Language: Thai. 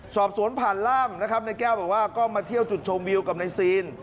กรอบสวนผ่านร่ามในแก้วบอกว่าก็มาเที่ยวจุดชมวิวกับในซีน